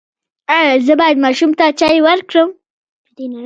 ایا زه باید ماشوم ته چای ورکړم؟